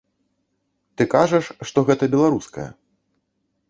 Ты кажаш, што гэта беларускае.